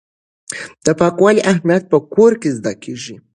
د پاکوالي اهمیت په کور کې زده کیږي.